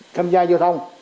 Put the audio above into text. tham gia vô thông